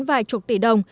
vài chục tỷ đồng